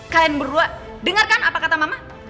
kalian berdua denger kan apa kata mama